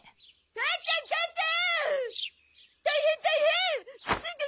母ちゃん母ちゃん！